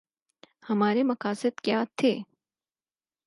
ہمارے مقاصد کیا تھے؟